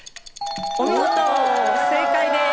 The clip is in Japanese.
お見事、正解です。